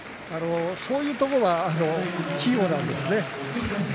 そういうところが器用なんですね。